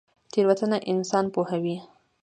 تیروتنه انسان پوهوي